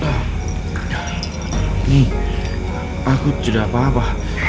ini aku tidak apa apa